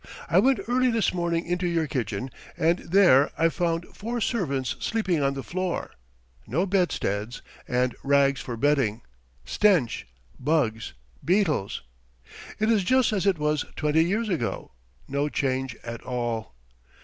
I went early this morning into your kitchen and there I found four servants sleeping on the floor, no bedsteads, and rags for bedding, stench, bugs, beetles ... it is just as it was twenty years ago, no change at all.